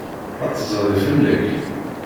Ad d-tezri fell-ak.